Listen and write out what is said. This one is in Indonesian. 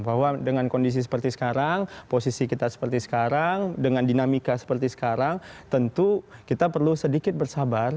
bahwa dengan kondisi seperti sekarang posisi kita seperti sekarang dengan dinamika seperti sekarang tentu kita perlu sedikit bersabar